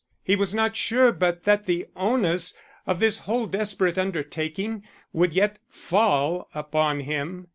He was not sure but that the onus of this whole desperate undertaking would yet fall upon him.